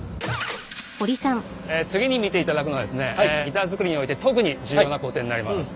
次に見ていただくのがですねギター作りにおいて特に重要な工程になります。